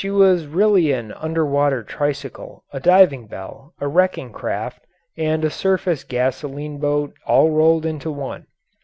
She was really an under water tricycle, a diving bell, a wrecking craft, and a surface gasoline boat all rolled into one.